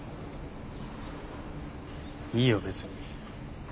いいよ別に。